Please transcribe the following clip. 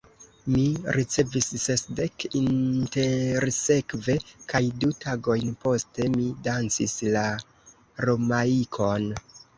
Mi ricevis sesdek intersekve, kaj du tagojn poste, mi dancis la Romaikon.